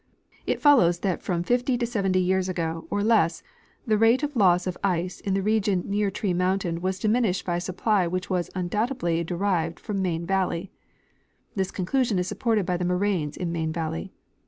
It follows that from 50 to 70 years ago, or less, the rate of loss of ice in the region near Tree mountain was diminished b}^ a supply which was undoubt edly derived from Main valley. This conclusion is supported by the moraines in main valley.